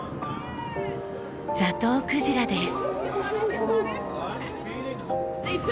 ザトウクジラです。